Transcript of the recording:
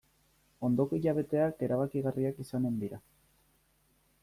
Ondoko hilabeteak erabakigarriak izanen dira.